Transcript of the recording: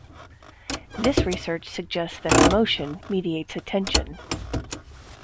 This research suggests that emotion mediates attention.